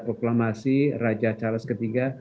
proklamasi raja charles iii